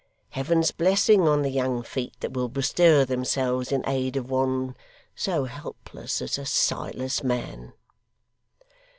Heaven's blessing on the young feet that will bestir themselves in aid of one so helpless as a sightless man!